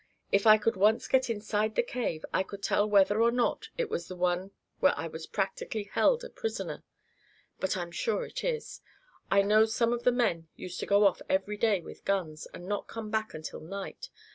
If I could once get inside the cave, I could tell whether or not it was the one where I was practically held a prisoner. But I'm sure it is. I know some of the men used to go off every day with guns, and not come back until night.